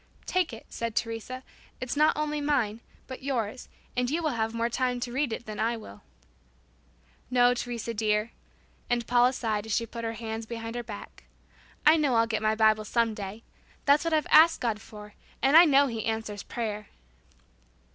"Take it," said Teresa, "it's not only mine, but yours, and you will have more time to read it than I will." "No, Teresa dear," and Paula sighed as she put her hands behind her back. "I know I'll get my Bible some day. That's what I've asked God for, and I know He answers prayer."